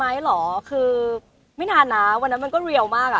ตัดสินใจนานไหมหรอคือไม่นานนะวันนั้นมันก็เรียลมาก